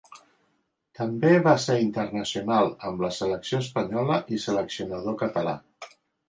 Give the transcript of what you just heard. També va ser internacional amb la selecció espanyola i seleccionador català.